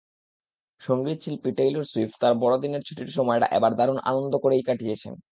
সংগীতশিল্পী Taylor Swift তাঁর বড়দিনের ছুটির সময়টা এবার দারুণ আনন্দ করেই কাটিয়েছেন।